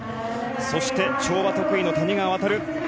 そして、跳馬得意の谷川航。